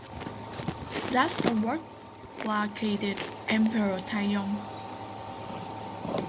That somewhat placated Emperor Taizong.